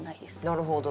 なるほど。